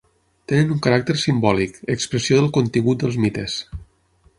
Tenen un caràcter simbòlic, expressió del contingut dels mites.